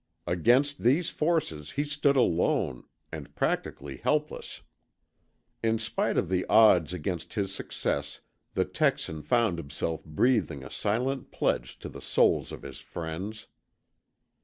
Against these forces he stood alone, and practically helpless. In spite of the odds against his success, the Texan found himself breathing a silent pledge to the souls of his friends.